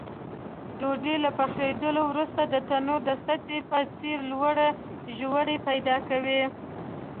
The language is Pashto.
ډوډۍ له پخېدلو وروسته د تنور د سطحې په څېر لوړې ژورې پیدا کوي.